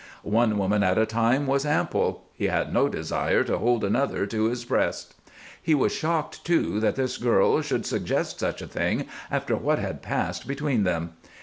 One woman at a time was ample; he had no desire to hold another to his breast. He was shocked, too, that this girl should suggest such a thing after what had passed between them.